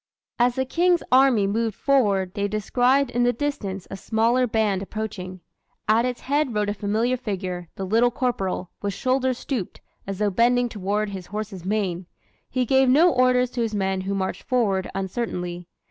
As the King's army moved forward they descried in the distance a smaller band approaching. At its head rode a familiar figure, the Little Corporal, with shoulders stooped, as though bending toward his horse's mane. He gave no orders to his men who marched forward uncertainly.